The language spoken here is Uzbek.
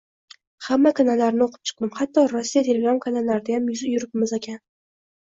Hamma kanallarni o‘qib chiqdim, hatto Rossiya telegram kanallaridayam yuribmizakan.